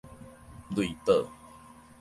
類報